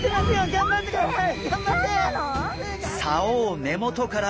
頑張ってください！